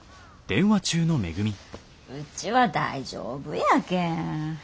うちは大丈夫やけん。